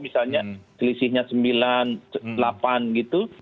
misalnya selisihnya sembilan delapan gitu